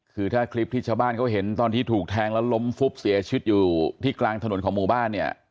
คือถ้าคลิปที่ชาวบ้านเขาเห็นตอนที่ถูกแทงแล้วล้มฟุบเสียชีวิตอยู่ที่กลางถนนของหมู่บ้านเนี่ย